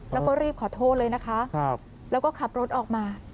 แล้วก็รีบขอโทษเลยนะคะแล้วก็ขับรถออกมา